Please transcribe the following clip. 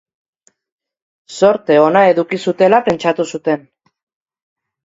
Zorte ona eduki zutela pentsatu zuten.